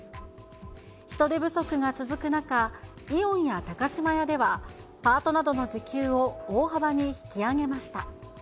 人手不足が続く中、イオンや高島屋では、パートなどの時給を大幅に引き上げました。